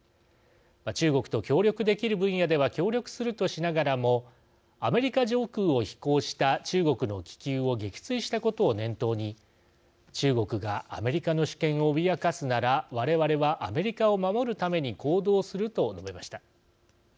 「中国と協力できる分野では協力する」としながらもアメリカ上空を飛行した中国の気球を撃墜したことを念頭に「中国がアメリカの主権を脅かすなら、我々はアメリカを守るために行動する」と述べました。